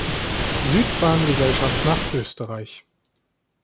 Südbahngesellschaft nach Österreich.